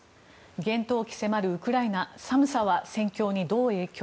厳冬期迫るウクライナ寒さは戦況にどう影響？